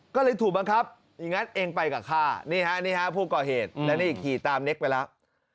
ก็เลยถูกบังคับอย่างนั้นเองไปกับข้านี่ฮะนี่ฮะผู้ก่อเหตุและนี่ขี่ตามเน็กไปแล้ว